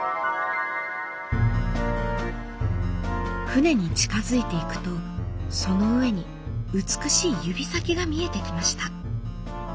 船に近づいていくとその上に美しい指先が見えてきました。